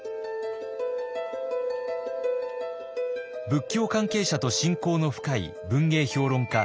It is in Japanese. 仏教関係者と親交の深い文芸評論家